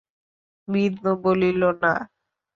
বিন্দু বলিল, না।